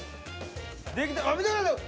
出来た見てください。